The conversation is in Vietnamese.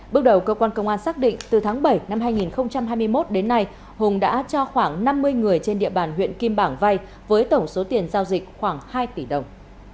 bước đầu cơ quan công an xác định từ tháng bảy năm hai nghìn hai mươi một đến nay hùng đã cho khoảng năm mươi người trên địa bàn huyện kim bảng vay với tổng số tiền giao dịch khoảng hai tỷ đồng